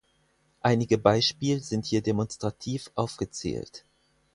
Einige Beispiel sind hier demonstrativ aufgezählt.